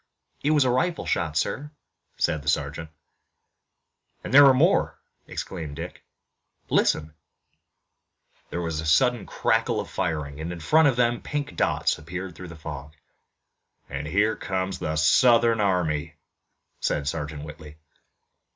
"It was a rifle shot, sir," said the sergeant. "And there are more," exclaimed Dick. "Listen!" There was a sudden crackle of firing, and in front of them pink dots appeared through the fog. "Here comes the Southern army!" said Sergeant Whitley.